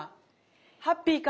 ハッピーか？